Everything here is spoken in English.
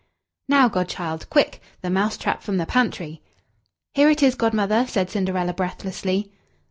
"Now, godchild, quick the mouse trap from the pantry!" "Here it is, Godmother," said Cinderella breathlessly.